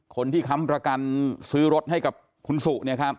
ค้ำประกันซื้อรถให้กับคุณสุ